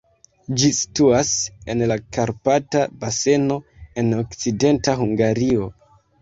Ĝi situas en la Karpata baseno, en Okcidenta Hungario.